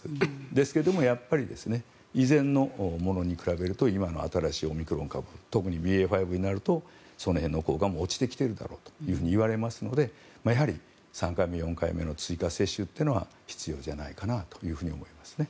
ですけど、以前のものに比べると今の新しいオミクロン株特にＢＡ．５になるとその辺の効果も落ちてきているだろうといわれますのでやはり３回目、４回目の追加接種というのは必要じゃないかなと思います。